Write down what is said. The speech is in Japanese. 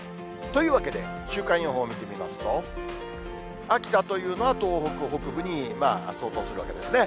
というわけで、週間予報見てみますと、秋田というのは東北北部に相当するわけですね。